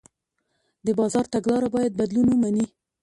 د بازار تګلاره باید بدلون ومني.